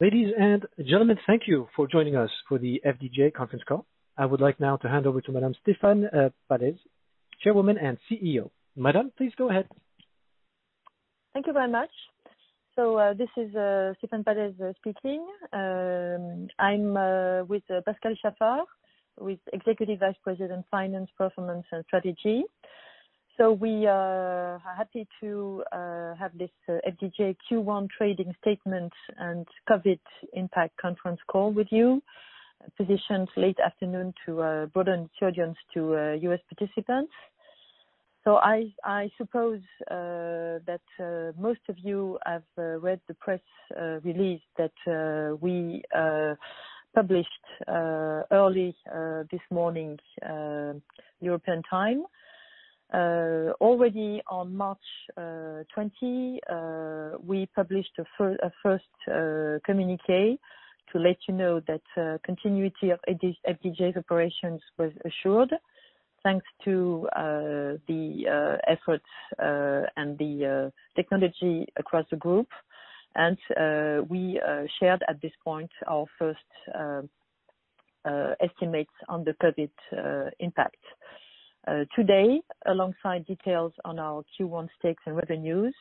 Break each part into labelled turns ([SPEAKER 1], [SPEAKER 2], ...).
[SPEAKER 1] Ladies and gentlemen, thank you for joining us for the FDJ conference call. I would like now to hand over to Madame Stéphane Pallez, Chairwoman and CEO. Madame, please go ahead.
[SPEAKER 2] Thank you very much. This is Stéphane Pallez speaking. I'm with Pascal Chaffard, Executive Vice President, Finance, Performance, and Strategy. We are happy to have this FDJ Q1 Trading Statement and COVID Impact Conference Call with you, positioned late afternoon to broaden the audience to U.S. participants. I suppose that most of you have read the press release that we published early this morning European time. Already on March 20, we published a first communiqué to let you know that continuity of FDJ's operations was assured, thanks to the efforts and the technology across the group. We shared at this point our first estimates on the COVID impact. Today, alongside details on our Q1 stakes and revenues,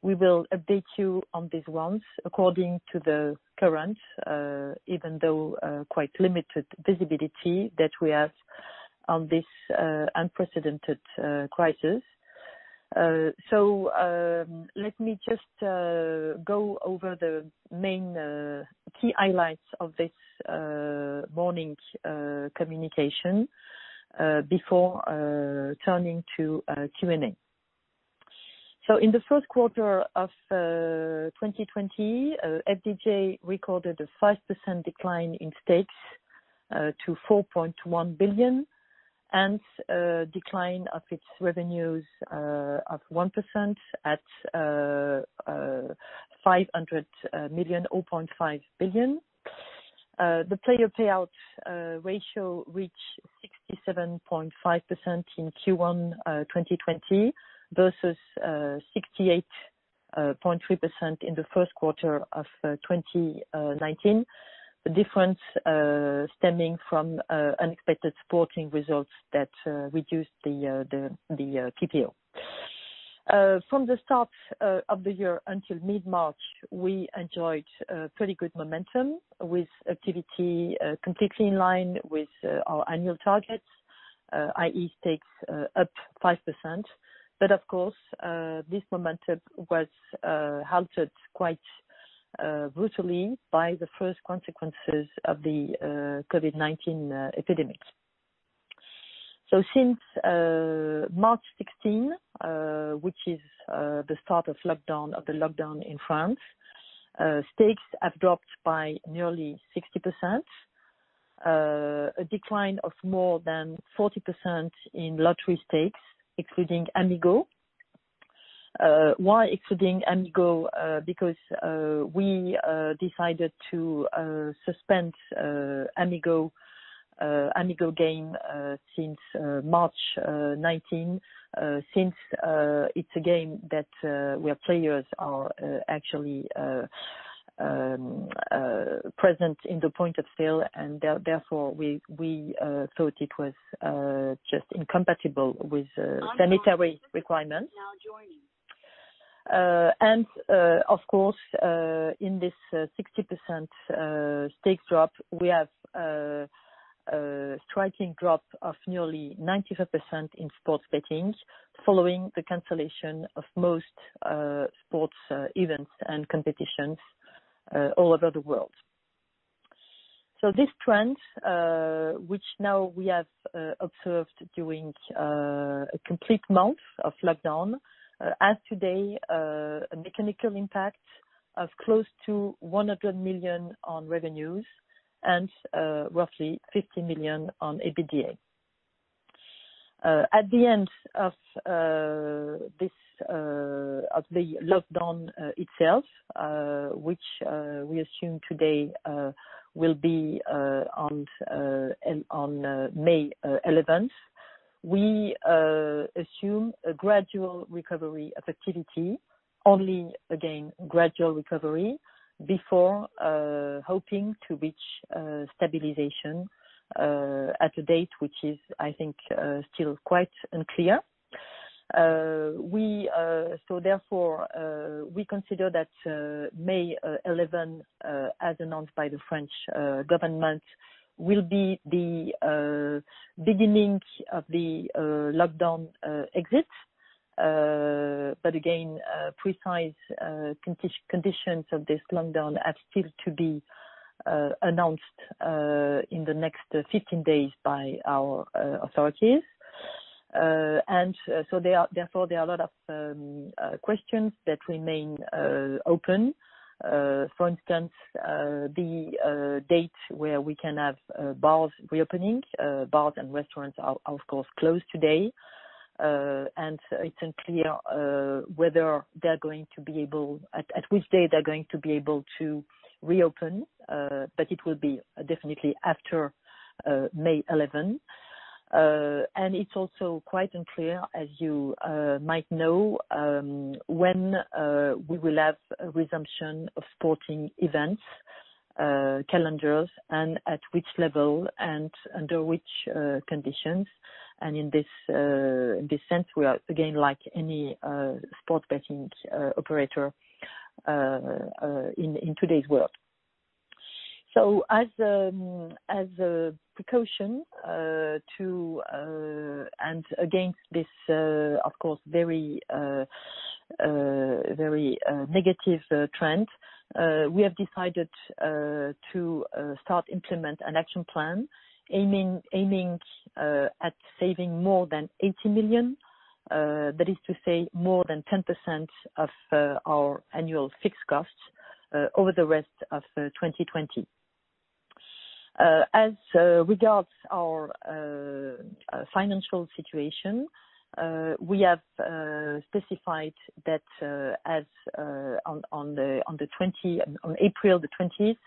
[SPEAKER 2] we will update you on these ones according to the current, even though quite limited, visibility that we have on this unprecedented crisis. Let me just go over the main key highlights of this morning's communication before turning to Q&A. In the first quarter of 2020, FDJ recorded a 5% decline in stakes to 4.1 billion, and a decline of its revenues of 1% at 500 million, 0.5 billion. The player payout ratio reached 67.5% in Q1 2020 versus 68.3% in the first quarter of 2019, a difference stemming from unexpected sporting results that reduced the TPO. From the start of the year until mid-March, we enjoyed pretty good momentum with activity completely in line with our annual targets, i.e., stakes up 5%. Of course, this momentum was halted quite brutally by the first consequences of the COVID-19 epidemic. Since March 16, which is the start of the lockdown in France, stakes have dropped by nearly 60%, a decline of more than 40% in lottery stakes, excluding Amigo. Why excluding Amigo? Because we decided to suspend Amigo's game since March 19, since it's a game where players are actually present in the point of sale, and therefore we thought it was just incompatible with sanitary requirements. Of course, in this 60% stakes drop, we have a striking drop of nearly 95% in sports betting following the cancellation of most sports events and competitions all over the world. This trend, which now we have observed during a complete month of lockdown, has today a mechanical impact of close to 100 million on revenues and roughly 50 million on EBITDA. At the end of the lockdown itself, which we assume today will be on May 11, we assume a gradual recovery of activity, only again gradual recovery before hoping to reach stabilization at a date which is, I think, still quite unclear. Therefore, we consider that May 11, as announced by the French government, will be the beginning of the lockdown exit. Again, precise conditions of this lockdown are still to be announced in the next 15 days by our authorities. Therefore, there are a lot of questions that remain open. For instance, the date where we can have bars reopening, bars and restaurants are of course closed today, and it's unclear whether they're going to be able, at which day they're going to be able to reopen, but it will be definitely after May 11. It's also quite unclear, as you might know, when we will have a resumption of sporting events, calendars, and at which level and under which conditions. In this sense, we are again like any sports betting operator in today's world. As a precaution to, and against this, of course, very negative trend, we have decided to start implementing an action plan aiming at saving more than 80 million, that is to say more than 10% of our annual fixed costs over the rest of 2020. As regards our financial situation, we have specified that on April 20,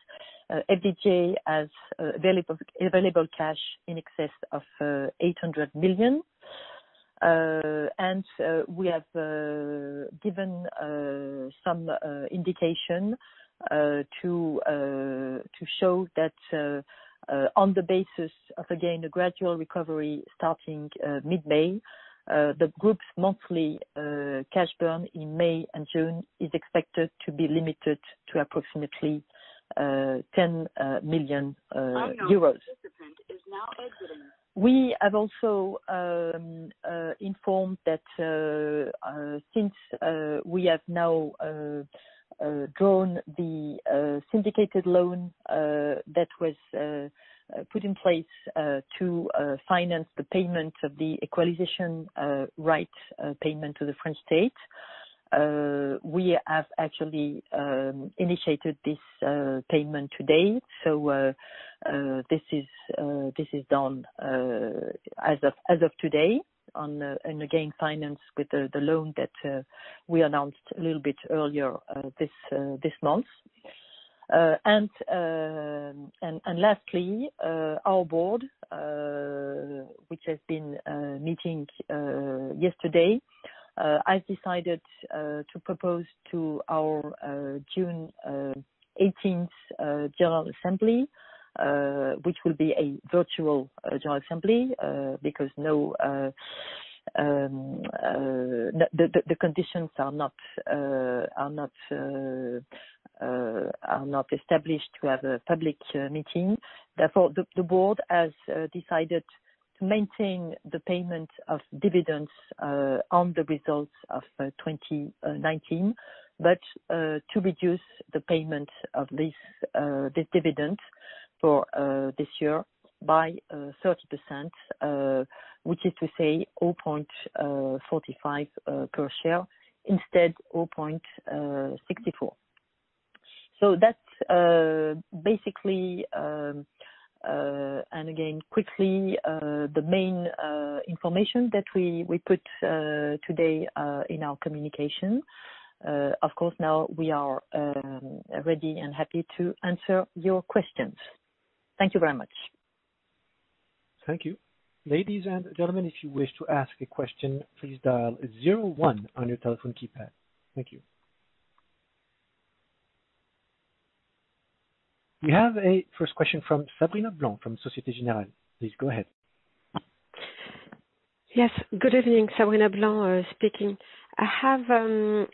[SPEAKER 2] FDJ has available cash in excess of 800 million. We have given some indication to show that on the basis of, again, a gradual recovery starting mid-May, the group's monthly cash burn in May and June is expected to be limited to approximately 10 million euros. We have also informed that since we have now drawn the syndicated loan that was put in place to finance the payment of the equalization right payment to the French state, we have actually initiated this payment today. This is done as of today, and again, financed with the loan that we announced a little bit earlier this month. Lastly, our board, which has been meeting yesterday, has decided to propose to our June 18 general assembly, which will be a virtual general assembly because the conditions are not established to have a public meeting. Therefore, the board has decided to maintain the payment of dividends on the results of 2019, but to reduce the payment of this dividend for this year by 30%, which is to say 0.45 per share instead of 0.64. That is basically, and again, quickly, the main information that we put today in our communication. Of course, now we are ready and happy to answer your questions. Thank you very much.
[SPEAKER 1] Thank you. Ladies and gentlemen, if you wish to ask a question, please dial 01 on your telephone keypad. Thank you. We have a first question from Sabrina Blanc from Société Générale. Please go ahead.
[SPEAKER 3] Yes. Good evening, Sabrina Blanc speaking. Firstly,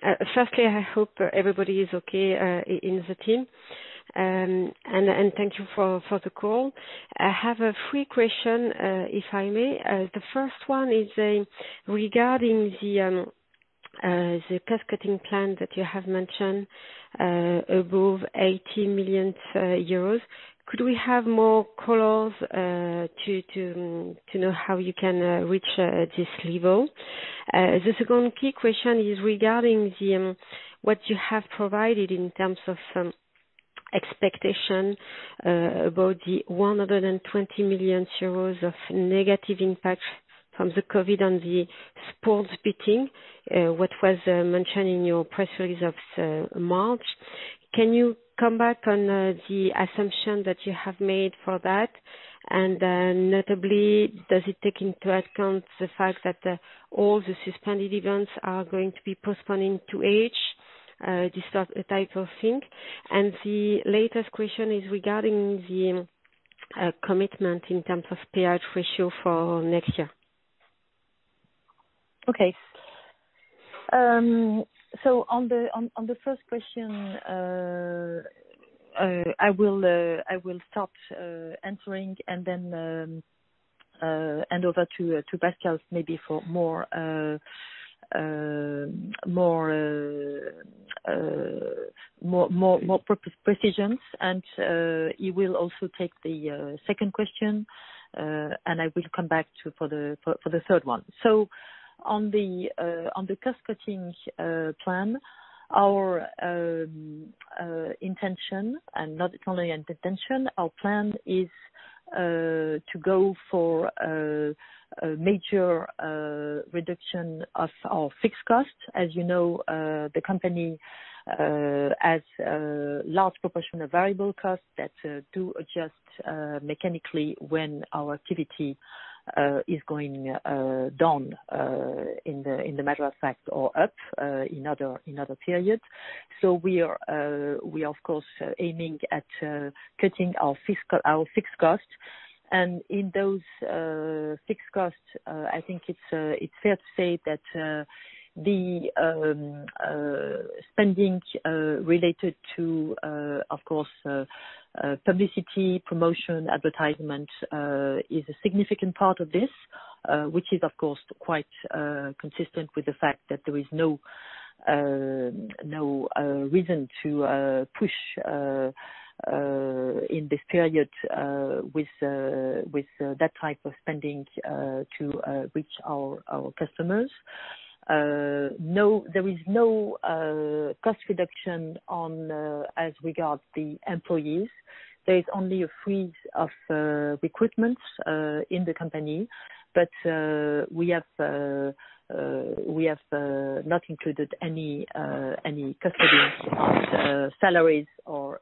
[SPEAKER 3] I hope everybody is okay in the team. Thank you for the call. I have a free question, if I may. The first one is regarding the cost saving plan that you have mentioned above 80 million euros. Could we have more colors to know how you can reach this level? The second key question is regarding what you have provided in terms of expectation about the 120 million euros of negative impact from the COVID on the sports betting, what was mentioned in your press release of March. Can you come back on the assumption that you have made for that? Notably, does it take into account the fact that all the suspended events are going to be postponed into H2, this type of thing? The latest question is regarding the commitment in terms of payout ratio for next year.
[SPEAKER 2] Okay. On the first question, I will start answering and then hand over to Pascal maybe for more precisions. He will also take the second question, and I will come back for the third one. On the cost saving plan, our intention, and not only an intention, our plan is to go for a major reduction of our fixed costs. As you know, the company has a large proportion of variable costs that do adjust mechanically when our activity is going down in the matter of fact or up in other periods. We are, of course, aiming at cutting our fixed costs. In those fixed costs, I think it's fair to say that the spending related to, of course, publicity, promotion, advertisement is a significant part of this, which is, of course, quite consistent with the fact that there is no reason to push in this period with that type of spending to reach our customers. There is no cost reduction as regards the employees. There is only a freeze of recruitments in the company, but we have not included any cuts in of salaries or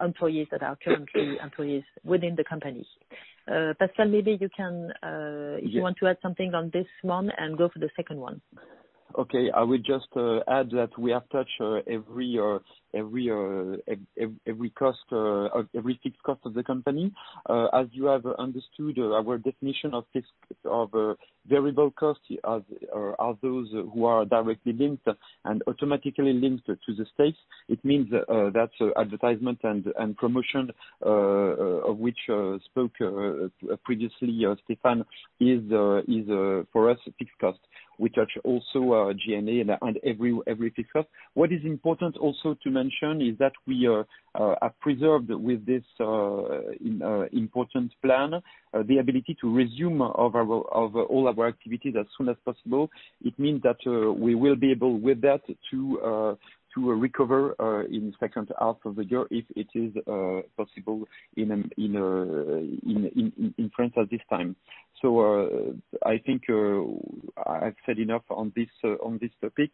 [SPEAKER 2] employees that are currently employees within the company. Pascal, maybe you can, if you want to add something on this one and go for the second one.
[SPEAKER 4] Okay. I will just add that we have touched every cost, every fixed cost of the company. As you have understood, our definition of variable costs are those who are directly linked and automatically linked to the stakes. It means that advertisement and promotion, of which spoke previously, Stéphane, is for us fixed costs. We touch also G&A and every fixed cost. What is important also to mention is that we have preserved with this important plan the ability to resume all our activities as soon as possible. It means that we will be able with that to recover in the second half of the year if it is possible in France at this time. I think I've said enough on this topic.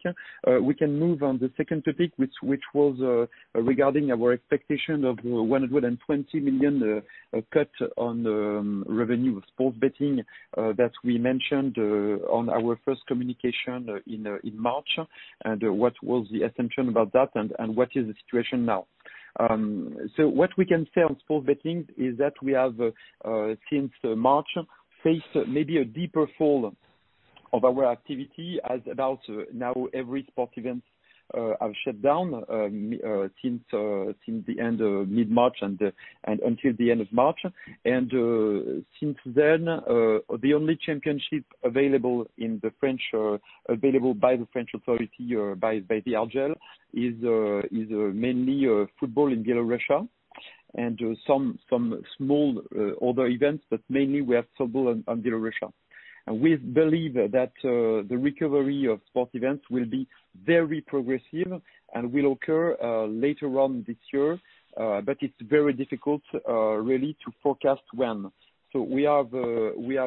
[SPEAKER 4] We can move on the second topic, which was regarding our expectation of 120 million cut on revenue of sports betting that we mentioned on our first communication in March. What was the assumption about that and what is the situation now? What we can say on sports betting is that we have, since March, faced maybe a deeper fall of our activity as about now every sports event has shut down since the end of mid-March and until the end of March. Since then, the only championship available by the French authority, by the ANJ, is mainly football in Belarus and some small other events, but mainly we have football in Belarus. We believe that the recovery of sports events will be very progressive and will occur later on this year, but it's very difficult really to forecast when. We have made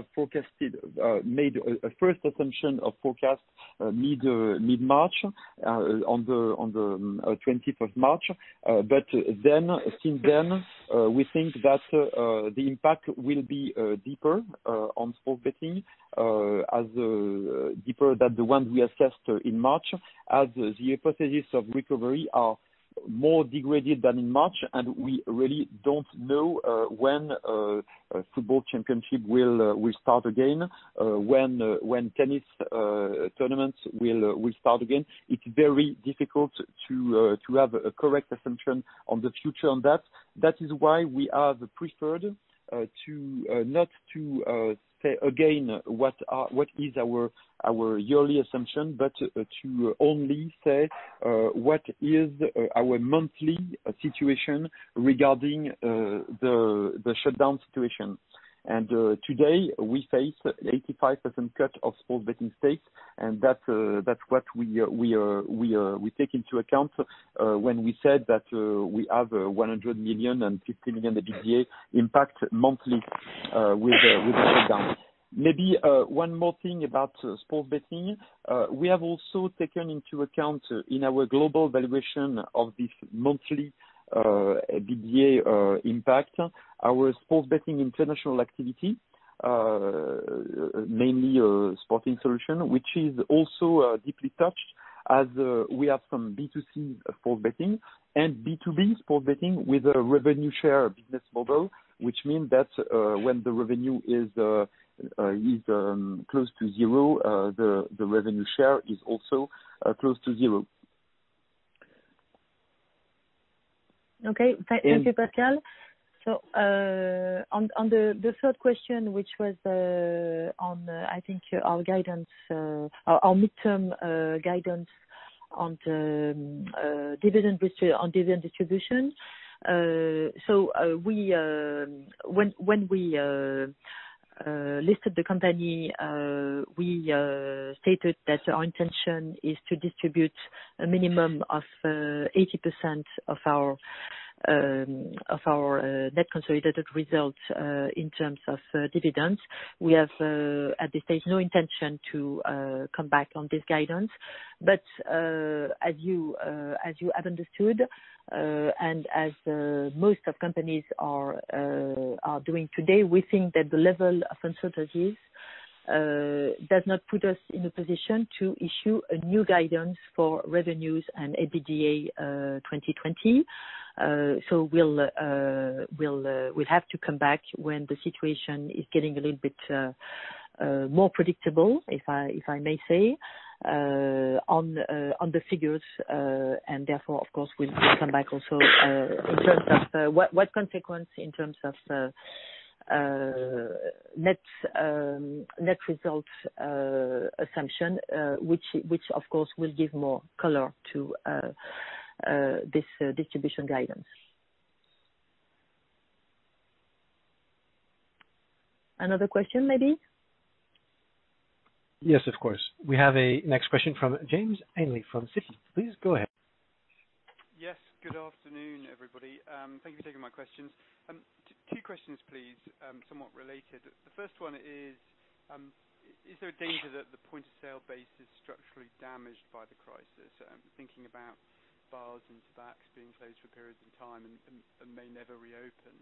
[SPEAKER 4] a first assumption of forecast mid-March on the 20th of March. Since then, we think that the impact will be deeper on sports betting, deeper than the one we assessed in March, as the hypotheses of recovery are more degraded than in March, and we really do not know when football championship will start again, when tennis tournaments will start again. It is very difficult to have a correct assumption on the future on that. That is why we have preferred not to say again what is our yearly assumption, but to only say what is our monthly situation regarding the shutdown situation. Today, we face an 85% cut of sports betting stakes, and that is what we take into account when we said that we have 100 million and 50 million EBITDA impact monthly with the shutdowns. Maybe one more thing about sports betting. We have also taken into account in our global evaluation of this monthly EBITDA impact, our sports betting international activity, mainly Sporting Solutions, which is also deeply touched as we have some B2C sports betting and B2B sports betting with a revenue share business model, which means that when the revenue is close to zero, the revenue share is also close to zero.
[SPEAKER 2] Okay. Thank you, Pascal. On the third question, which was on, I think, our guidance, our midterm guidance on dividend distribution. When we listed the company, we stated that our intention is to distribute a minimum of 80% of our net consolidated result in terms of dividends. We have, at this stage, no intention to come back on this guidance. As you have understood, and as most of companies are doing today, we think that the level of uncertainties does not put us in a position to issue a new guidance for revenues and EBITDA 2020. We will have to come back when the situation is getting a little bit more predictable, if I may say, on the figures. Therefore, of course, we'll come back also in terms of what consequence in terms of net result assumption, which, of course, will give more color to this distribution guidance. Another question, maybe?
[SPEAKER 1] Yes, of course. We have a next question from James Ainley from Citi. Please go ahead.
[SPEAKER 5] Yes. Good afternoon, everybody. Thank you for taking my questions. Two questions, please, somewhat related. The first one is, is there a danger that the point of sale base is structurally damaged by the crisis? Thinking about bars and tabacs being closed for periods of time and may never reopen.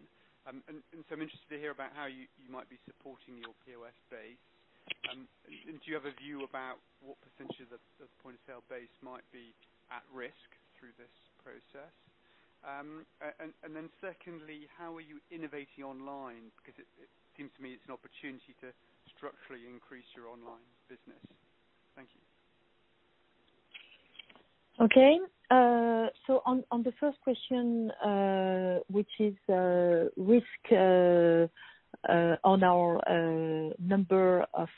[SPEAKER 5] I am interested to hear about how you might be supporting your POS base. Do you have a view about what percentage of the point of sale base might be at risk through this process? Secondly, how are you innovating online? It seems to me it is an opportunity to structurally increase your online business. Thank you.
[SPEAKER 2] Okay. On the first question, which is risk on our number of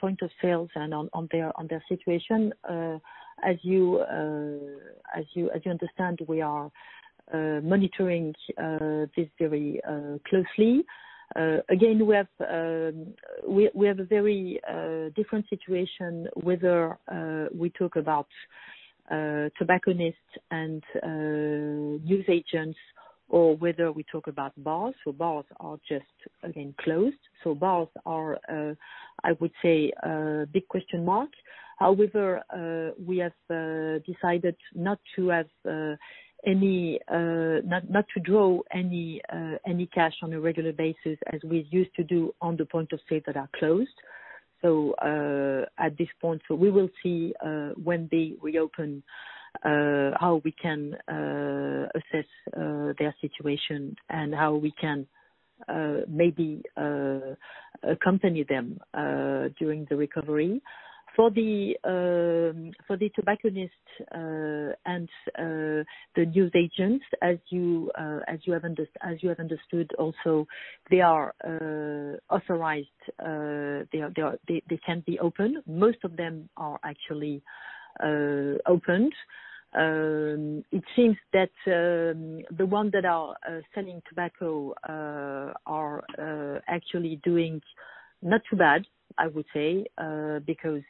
[SPEAKER 2] point of sales and on their situation, as you understand, we are monitoring this very closely. Again, we have a very different situation whether we talk about tobacconists and news agents or whether we talk about bars. Bars are just, again, closed. Bars are, I would say, a big question mark. However, we have decided not to have any, not to draw any cash on a regular basis as we used to do on the point of sales that are closed. At this point, we will see when they reopen how we can assess their situation and how we can maybe accompany them during the recovery. For the tobacconists and the news agents, as you have understood also, they are authorized; they can be open. Most of them are actually opened. It seems that the ones that are selling tobacco are actually doing not too bad, I would say, because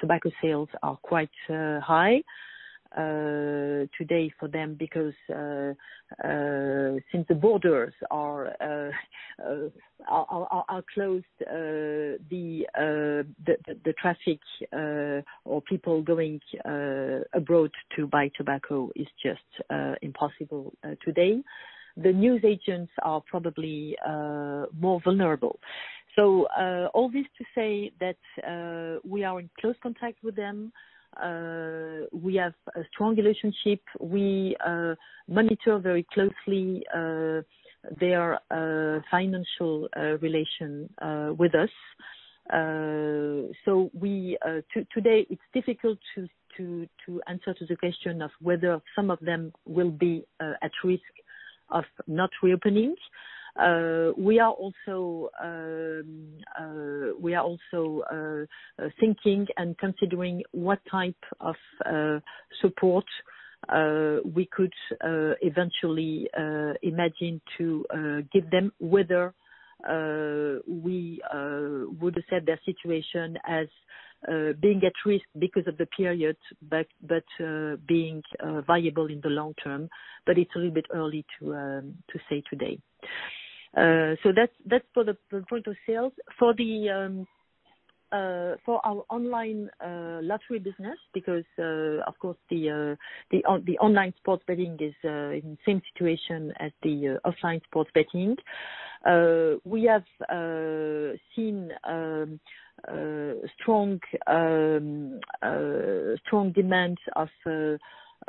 [SPEAKER 2] tobacco sales are quite high today for them because since the borders are closed, the traffic or people going abroad to buy tobacco is just impossible today. The news agents are probably more vulnerable. All this to say that we are in close contact with them. We have a strong relationship. We monitor very closely their financial relation with us. Today, it's difficult to answer to the question of whether some of them will be at risk of not reopening. We are also thinking and considering what type of support we could eventually imagine to give them, whether we would assess their situation as being at risk because of the period, but being viable in the long term. It's a little bit early to say today. That is for the point of sales. For our online lottery business, because, of course, the online sports betting is in the same situation as the offline sports betting, we have seen strong demand of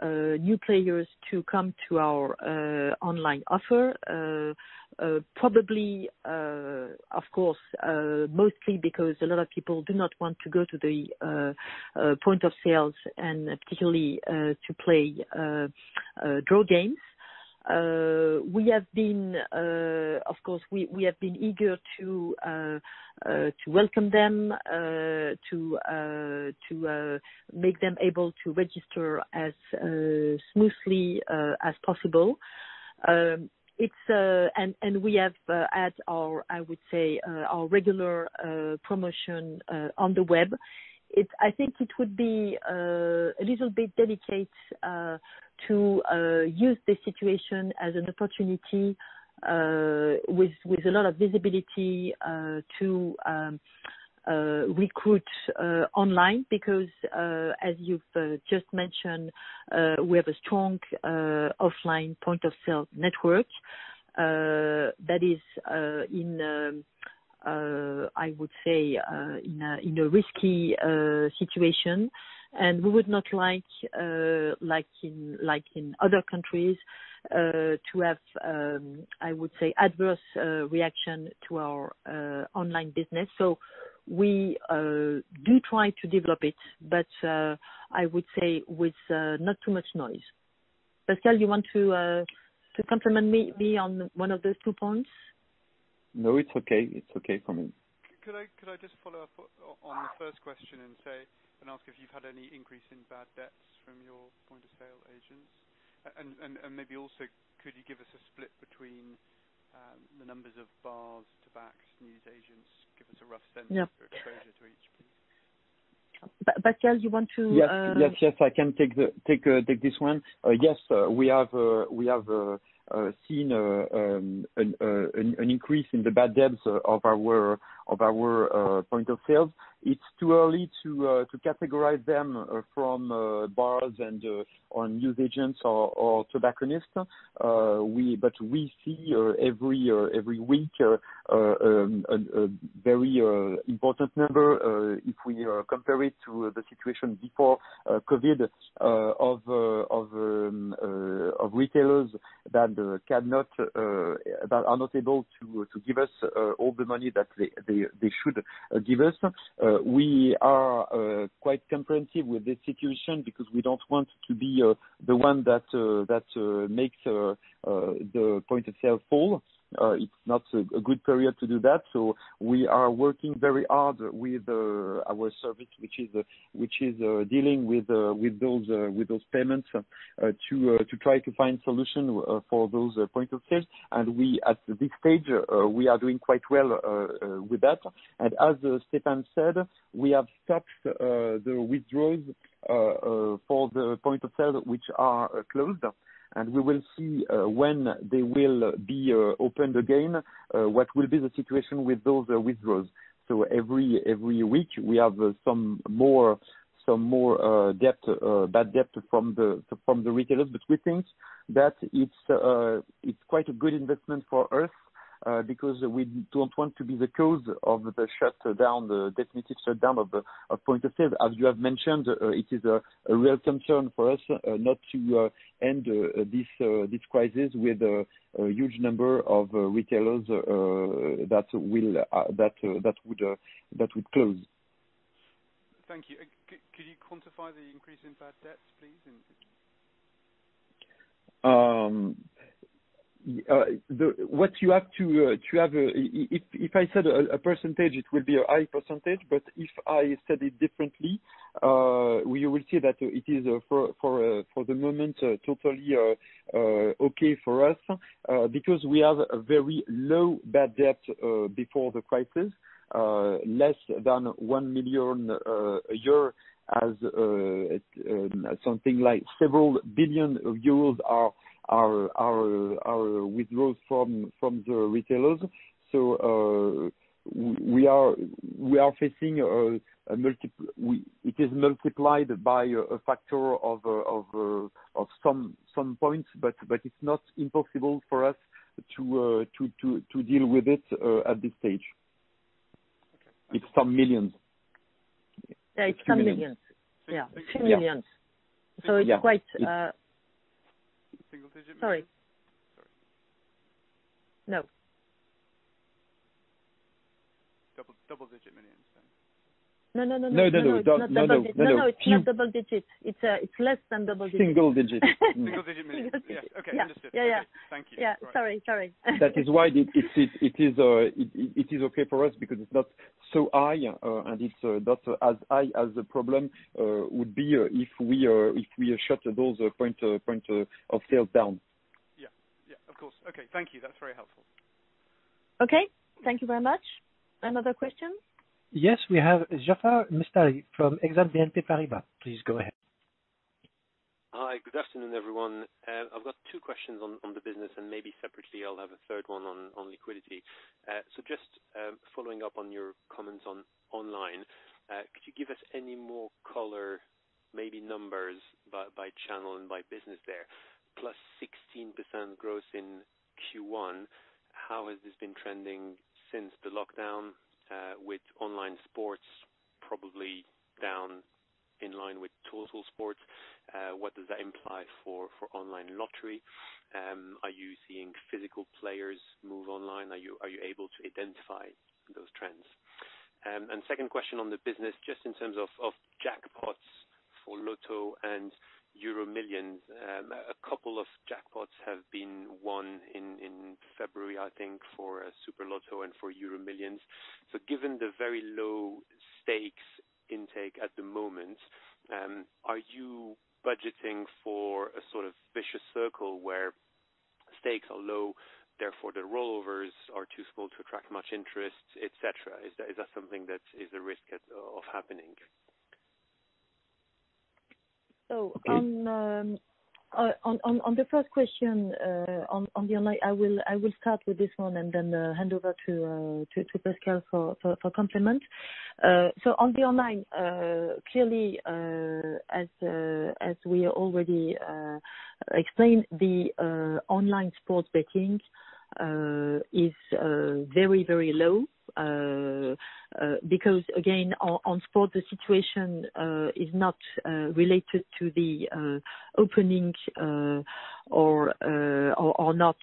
[SPEAKER 2] new players to come to our online offer, probably, of course, mostly because a lot of people do not want to go to the point of sales and particularly to play draw games. We have been, of course, eager to welcome them, to make them able to register as smoothly as possible. We have had our, I would say, our regular promotion on the web. I think it would be a little bit delicate to use the situation as an opportunity with a lot of visibility to recruit online because, as you've just mentioned, we have a strong offline point of sale network that is, I would say, in a risky situation. We would not like, like in other countries, to have, I would say, adverse reaction to our online business. We do try to develop it, but I would say with not too much noise. Pascal, you want to complement me on one of those two points?
[SPEAKER 4] No, it's okay. It's okay for me.
[SPEAKER 5] Could I just follow up on the first question and ask if you've had any increase in bad debts from your point of sale agents? Maybe also, could you give us a split between the numbers of bars, tabacs, news agents? Give us a rough sense of your exposure to each.
[SPEAKER 2] Pascal, you want to?
[SPEAKER 4] Yes, yes, I can take this one. Yes, we have seen an increase in the bad debts of our point of sale. It's too early to categorize them from bars and news agents or tobacconists. We see every week a very important number if we compare it to the situation before COVID of retailers that are not able to give us all the money that they should give us. We are quite comprehensive with this situation because we don't want to be the one that makes the point of sale fall. It's not a good period to do that. We are working very hard with our service, which is dealing with those payments to try to find solutions for those point of sales. At this stage, we are doing quite well with that. As Stéphane said, we have stacked the withdrawals for the point of sale which are closed. We will see when they will be opened again, what will be the situation with those withdrawals. Every week, we have some more bad debt from the retailers. We think that it is quite a good investment for us because we do not want to be the cause of the shutdown, the definitive shutdown of point of sale. As you have mentioned, it is a real concern for us not to end this crisis with a huge number of retailers that would close.
[SPEAKER 5] Thank you. Could you quantify the increase in bad debts, please?
[SPEAKER 4] What you have to have, if I said a percentage, it would be a high percentage. If I said it differently, we will see that it is, for the moment, totally okay for us because we have a very low bad debt before the crisis, less than 1 million a year, as something like several billion of euros are withdrawn from the retailers. We are facing a multiple; it is multiplied by a factor of some points, but it's not impossible for us to deal with it at this stage. It's some millions.
[SPEAKER 2] It's some millions. Yeah, a few millions. It's quite.
[SPEAKER 5] Single digit?
[SPEAKER 2] Sorry. No.
[SPEAKER 5] Double digit millions then?
[SPEAKER 2] No, no, no, no, no, no, no, no, no, no. It's not double digit. It's less than double digit.
[SPEAKER 4] Single digit.
[SPEAKER 5] Single digit millions. Yeah. Okay. Understood. Thank you.
[SPEAKER 2] Yeah, yeah. Sorry, sorry.
[SPEAKER 4] That is why it is okay for us because it's not so high, and it's not as high as the problem would be if we shut those point of sales down.
[SPEAKER 5] Yeah, yeah, of course. Okay. Thank you. That's very helpful.
[SPEAKER 2] Okay. Thank you very much. Another question?
[SPEAKER 1] Yes, we have. Jaafar Mestari from Exane BNP Paribas, please go ahead.
[SPEAKER 6] Hi, good afternoon, everyone. I've got two questions on the business, and maybe separately, I'll have a third one on liquidity. Just following up on your comments on online, could you give us any more color, maybe numbers by channel and by business there? Plus 16% growth in Q1. How has this been trending since the lockdown with online sports probably down in line with total sports? What does that imply for online lottery? Are you seeing physical players move online? Are you able to identify those trends? Second question on the business, just in terms of jackpots for Loto and EuroMillions. A couple of jackpots have been won in February, I think, for Super Loto and for EuroMillions. Given the very low stakes intake at the moment, are you budgeting for a sort of vicious circle where stakes are low, therefore the rollovers are too small to attract much interest, etc.? Is that something that is a risk of happening?
[SPEAKER 2] On the first question on the online, I will start with this one and then hand over to Pascal for compliment. On the online, clearly, as we already explained, the online sports betting is very, very low because, again, on sports, the situation is not related to the opening or not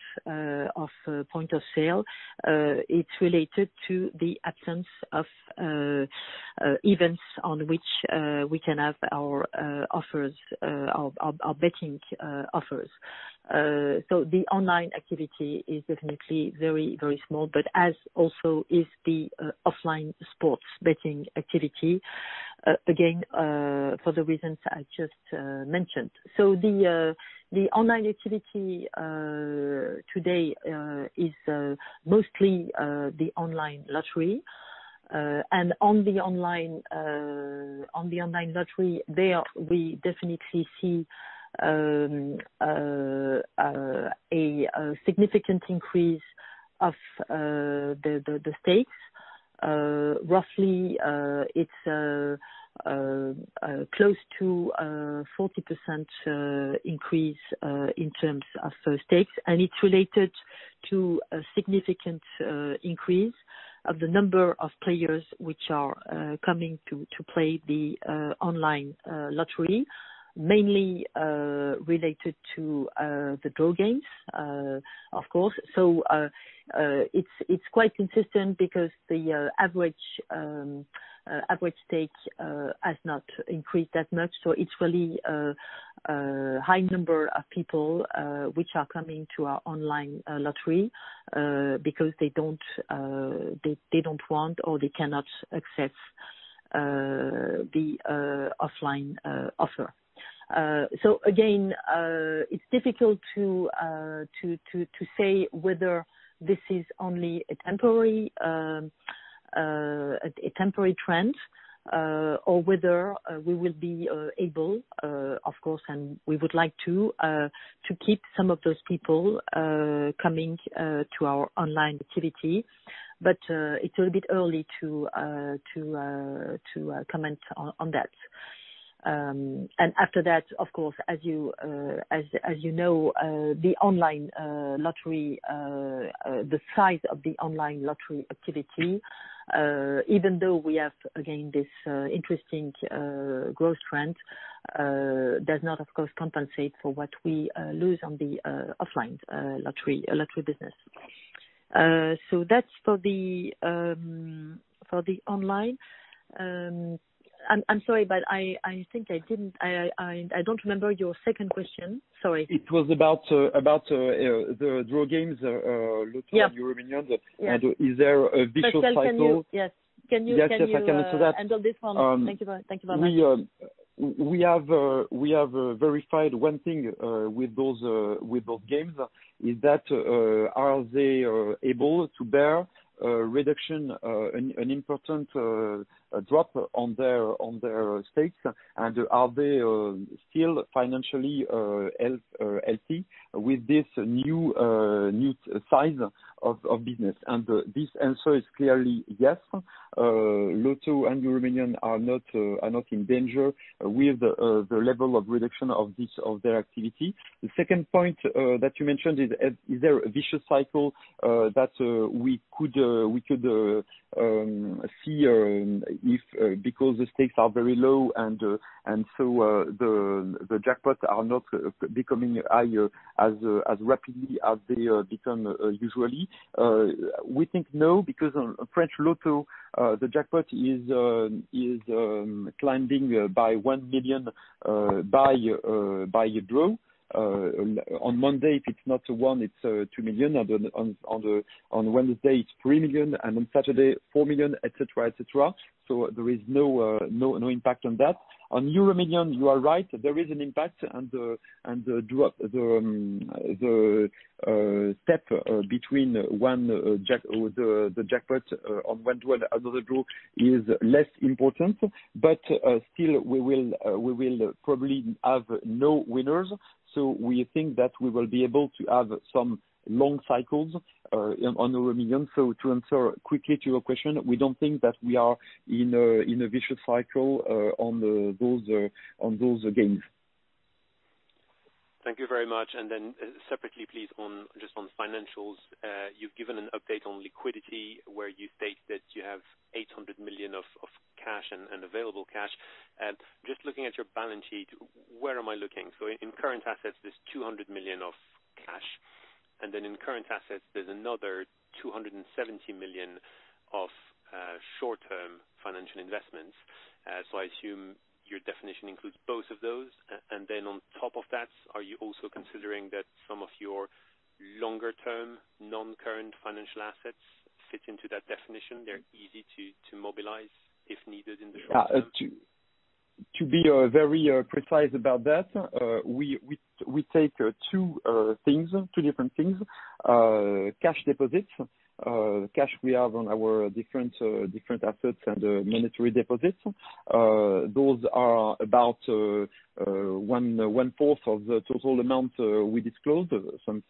[SPEAKER 2] of point of sale. It is related to the absence of events on which we can have our offers, our betting offers. The online activity is definitely very, very small, but as also is the offline sports betting activity, again, for the reasons I just mentioned. The online activity today is mostly the online lottery. And on the online lottery, we definitely see a significant increase of the stakes. Roughly, it is close to 40% increase in terms of stakes. It is related to a significant increase of the number of players which are coming to play the online lottery, mainly related to the draw games, of course. It is quite consistent because the average stake has not increased that much. It is really a high number of people which are coming to our online lottery because they do not want or they cannot access the offline offer. Again, it is difficult to say whether this is only a temporary trend or whether we will be able, of course, and we would like to, to keep some of those people coming to our online activity. It is a little bit early to comment on that. After that, of course, as you know, the online lottery, the size of the online lottery activity, even though we have, again, this interesting growth trend, does not, of course, compensate for what we lose on the offline lottery business. That is for the online. I'm sorry, but I think I don't remember your second question. Sorry.
[SPEAKER 6] It was about the draw games, Loto and EuroMillions. Is there a visual cycle?
[SPEAKER 2] Yes, can you answer that?
[SPEAKER 4] Yes, if I can answer that.
[SPEAKER 2] Thank you very much.
[SPEAKER 4] We have verified one thing with both games. Is that are they able to bear a reduction, an important drop on their stakes? And are they still financially healthy with this new size of business? This answer is clearly yes. Loto and EuroMillions are not in danger with the level of reduction of their activity. The second point that you mentioned is, is there a vicious cycle that we could see if because the stakes are very low and so the jackpots are not becoming higher as rapidly as they become usually? We think no because French Loto, the jackpot is climbing by 1 million by a draw. On Monday, if it's not a one, it's 2 million. On Wednesday, it's 3 million. And on Saturday, 4 million, etc., etc. There is no impact on that. On EuroMillions, you are right. There is an impact. The step between the jackpot on one draw and another draw is less important. Still, we will probably have no winners. We think that we will be able to have some long cycles on EuroMillions. To answer quickly to your question, we do not think that we are in a vicious cycle on those games.
[SPEAKER 6] Thank you very much. Separately, just on financials, you've given an update on liquidity where you state that you have 800 million of cash and available cash. Just looking at your balance sheet, where am I looking? In current assets, there's 200 million of cash. In current assets, there's another 270 million of short-term financial investments. I assume your definition includes both of those. On top of that, are you also considering that some of your longer-term non-current financial assets fit into that definition? They're easy to mobilize if needed in the short term?
[SPEAKER 4] Yeah. To be very precise about that, we take two things, two different things. Cash deposits. Cash we have on our different assets and monetary deposits. Those are about one-fourth of the total amount we disclosed,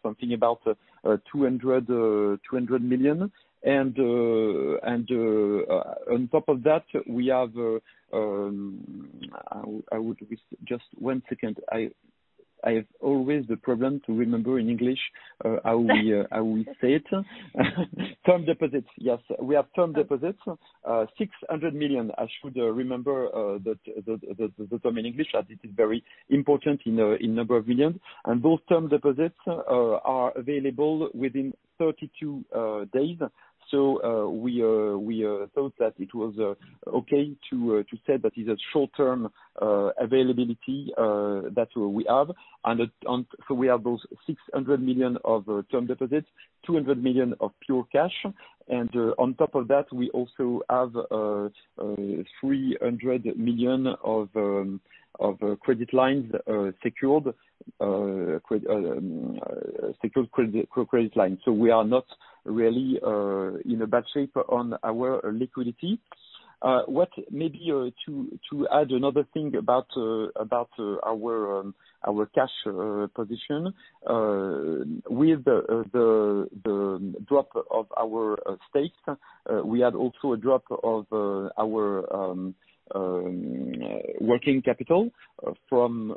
[SPEAKER 4] something about EUR 200 million. On top of that, we have just one second. I have always the problem to remember in English how we say it. Term deposits, yes. We have term deposits. 600 million, I should remember the term in English. That is very important in number of millions. Those term deposits are available within 32 days. We thought that it was okay to say that is a short-term availability that we have. We have those 600 million of term deposits, 200 million of pure cash. On top of that, we also have 300 million of credit lines secured, secured credit lines. We are not really in a bad shape on our liquidity. What maybe to add another thing about our cash position, with the drop of our stakes, we had also a drop of our working capital from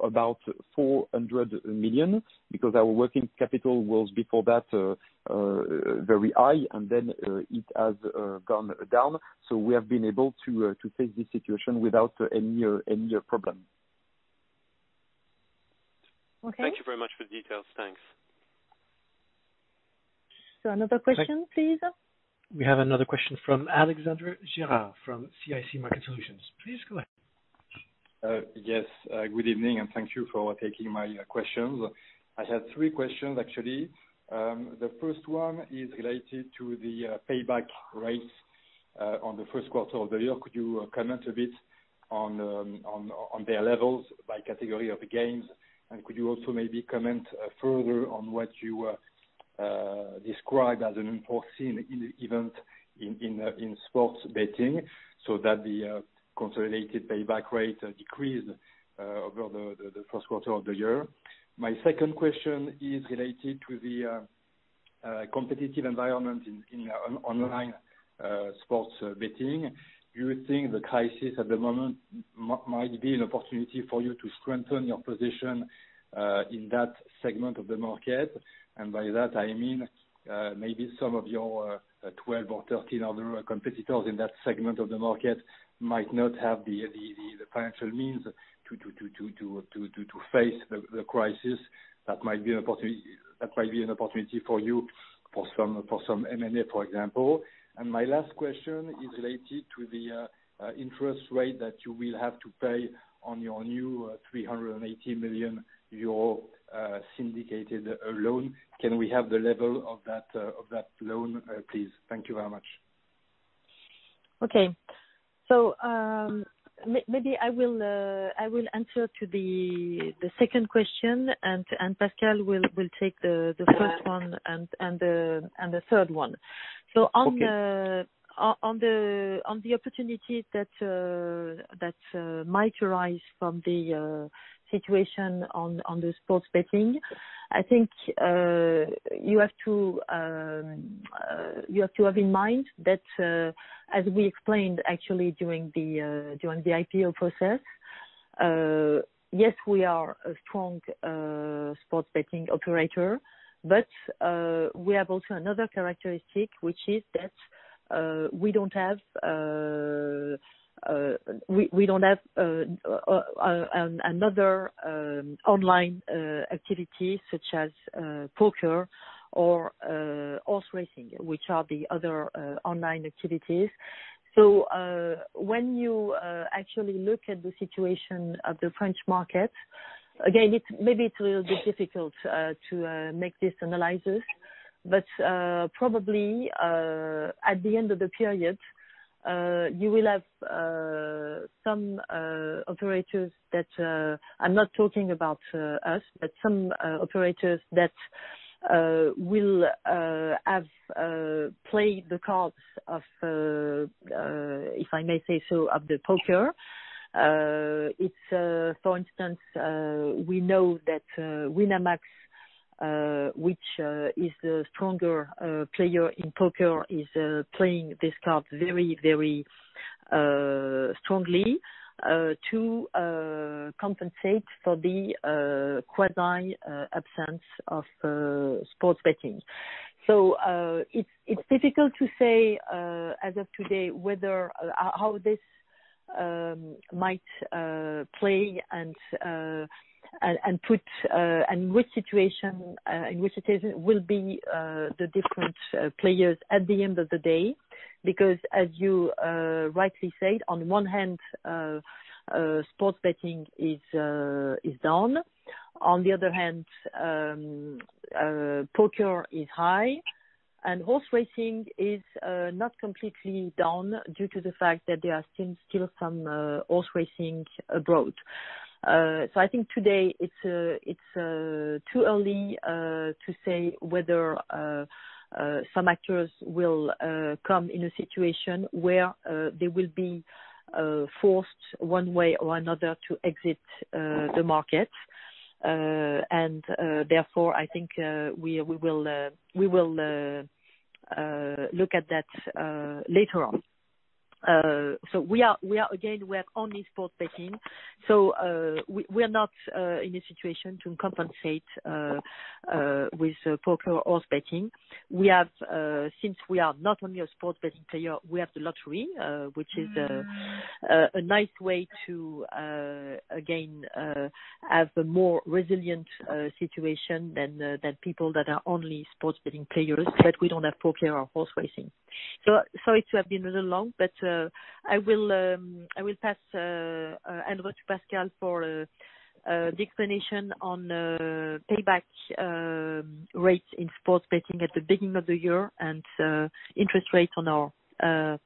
[SPEAKER 4] about 400 million because our working capital was before that very high, and then it has gone down. We have been able to face this situation without any problem.
[SPEAKER 2] Okay.
[SPEAKER 6] Thank you very much for the details. Thanks.
[SPEAKER 2] Another question, please?
[SPEAKER 1] We have another question from Alexandre Gerard from CIC Market Solutions. Please go ahead.
[SPEAKER 7] Yes. Good evening, and thank you for taking my questions. I had three questions, actually. The first one is related to the payback rates on the first quarter of the year. Could you comment a bit on their levels by category of games? Could you also maybe comment further on what you described as an unforeseen event in sports betting so that the consolidated payback rate decreased over the first quarter of the year? My second question is related to the competitive environment in online sports betting. Do you think the crisis at the moment might be an opportunity for you to strengthen your position in that segment of the market? By that, I mean maybe some of your 12 or 13 other competitors in that segment of the market might not have the financial means to face the crisis. That might be an opportunity for you, for some M&A, for example. My last question is related to the interest rate that you will have to pay on your new 380 million euro syndicated loan. Can we have the level of that loan, please? Thank you very much.
[SPEAKER 2] Okay. Maybe I will answer to the second question, and Pascal will take the first one and the third one. On the opportunity that might arise from the situation on the sports betting, I think you have to have in mind that, as we explained actually during the IPO process, yes, we are a strong sports betting operator, but we have also another characteristic, which is that we do not have another online activity such as poker or horse racing, which are the other online activities. When you actually look at the situation of the French market, again, maybe it is a little bit difficult to make these analyses, but probably at the end of the period, you will have some operators that I am not talking about us, but some operators that will have played the cards of, if I may say so, of the poker. For instance, we know that Winamax, which is the stronger player in poker, is playing this card very, very strongly to compensate for the quasi-absence of sports betting. It is difficult to say as of today how this might play out and in which situation will be the different players at the end of the day because, as you rightly said, on the one hand, sports betting is down. On the other hand, poker is high. Horse racing is not completely down due to the fact that there are still some horse racing abroad. I think today it is too early to say whether some actors will come in a situation where they will be forced one way or another to exit the market. Therefore, I think we will look at that later on. Again, we have only sports betting. We are not in a situation to compensate with poker or horse betting. Since we are not only a sports betting player, we have the lottery, which is a nice way to, again, have a more resilient situation than people that are only sports betting players, but we do not have poker or horse racing. Sorry to have been a little long, but I will pass and go to Pascal for the explanation on payback rates in sports betting at the beginning of the year and interest rates on our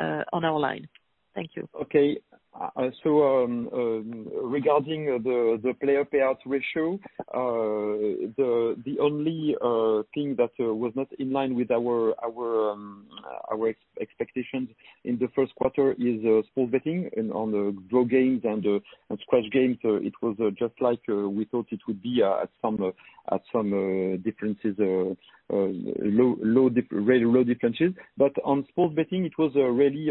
[SPEAKER 2] line. Thank you.
[SPEAKER 4] Okay. Regarding the player-payout ratio, the only thing that was not in line with our expectations in the first quarter is sports betting. On the draw games and scratch games, it was just like we thought it would be at some differences, low differences. On sports betting, it was a really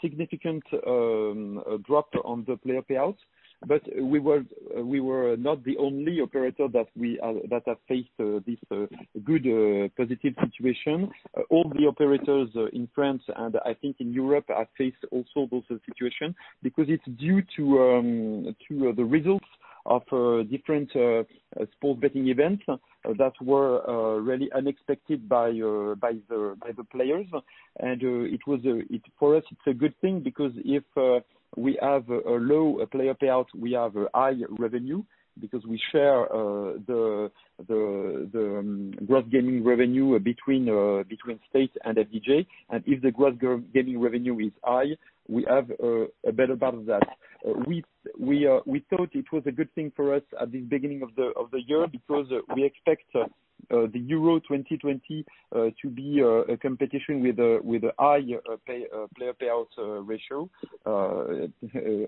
[SPEAKER 4] significant drop on the player-payout. We were not the only operator that have faced this good positive situation. All the operators in France and I think in Europe have faced also those situations because it is due to the results of different sports betting events that were really unexpected by the players. For us, it is a good thing because if we have a low player-payout, we have high revenue because we share the gross gaming revenue between states and FDJ. If the gross gaming revenue is high, we have a better part of that. We thought it was a good thing for us at the beginning of the year because we expect the Euro 2020 to be a competition with a high player-payout ratio.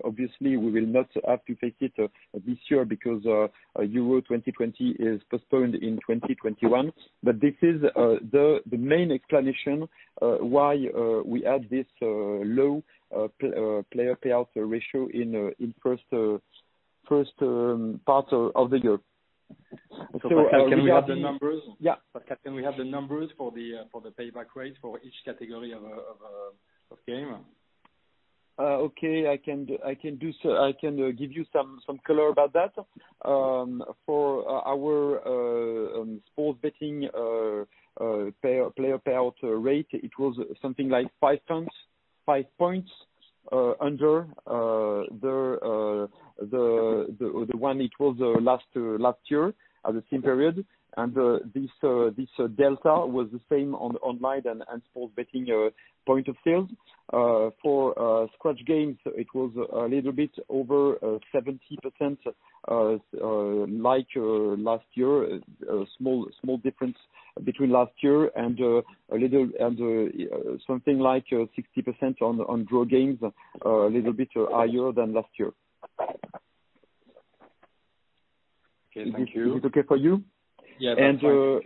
[SPEAKER 4] Obviously, we will not have to face it this year because Euro 2020 is postponed in 2021. This is the main explanation why we had this low player-payout ratio in the first part of the year.
[SPEAKER 7] Can we have the numbers?
[SPEAKER 4] Yeah.
[SPEAKER 7] Can we have the numbers for the payback rates for each category of game?
[SPEAKER 4] Okay. I can give you some color about that. For our sports betting player-payout rate, it was something like five percentage points under the one it was last year at the same period. This delta was the same online and sports betting point of sales. For scratch games, it was a little bit over 70% like last year, a small difference between last year and something like 60% on draw games, a little bit higher than last year.
[SPEAKER 7] Okay. Thank you.
[SPEAKER 4] Is it okay for you?
[SPEAKER 7] Yeah.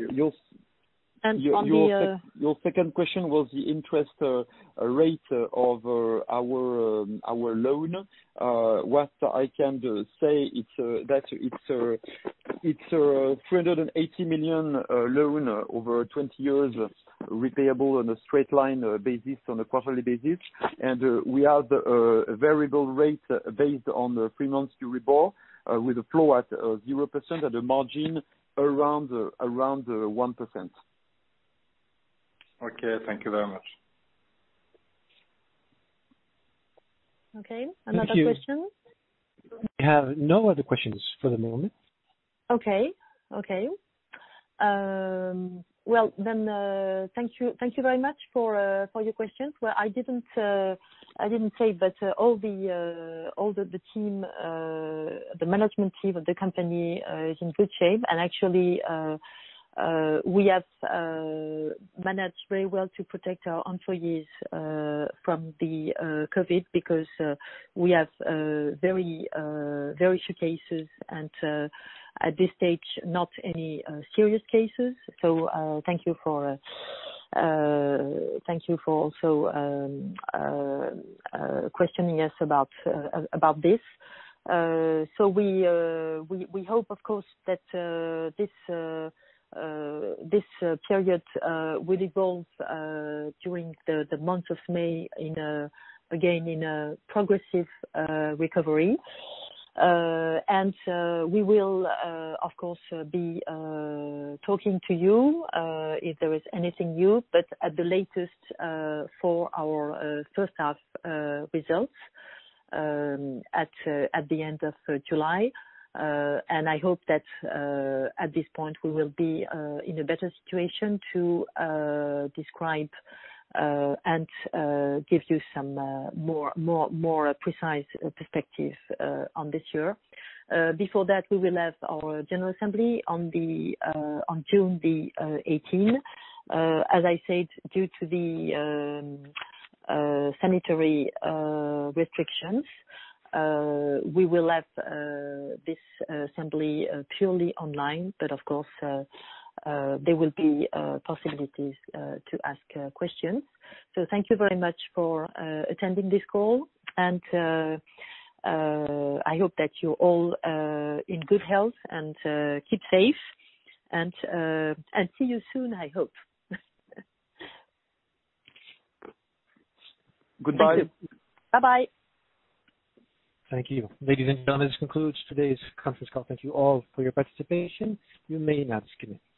[SPEAKER 4] Your second question was the interest rate of our loan. What I can say is that it is a 380 million loan over 20 years repayable on a straight-line basis, on a quarterly basis. We have a variable rate based on three months Euribor with a floor at 0% and a margin around 1%.
[SPEAKER 7] Okay. Thank you very much.
[SPEAKER 2] Okay. Another question?
[SPEAKER 1] We have no other questions for the moment.
[SPEAKER 2] Okay. Okay. Thank you very much for your questions. I did not say, but all the team, the management team of the company is in good shape. Actually, we have managed very well to protect our employees from the COVID because we have very few cases and at this stage, not any serious cases. Thank you for also questioning us about this. We hope, of course, that this period will evolve during the month of May, again, in a progressive recovery. We will, of course, be talking to you if there is anything new, at the latest for our first-half results at the end of July. I hope that at this point, we will be in a better situation to describe and give you some more precise perspectives on this year. Before that, we will have our general assembly on June the 18th. As I said, due to the sanitary restrictions, we will have this assembly purely online, but of course, there will be possibilities to ask questions. Thank you very much for attending this call. I hope that you're all in good health and keep safe. See you soon, I hope.
[SPEAKER 4] Goodbye.
[SPEAKER 2] Thank you. Bye-bye.
[SPEAKER 1] Thank you. Ladies and gentlemen, this concludes today's conference call. Thank you all for your participation. You may now skip.